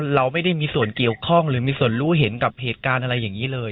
เราไม่ได้มีส่วนเกี่ยวข้องหรือมีส่วนรู้เห็นกับเหตุการณ์อะไรอย่างนี้เลย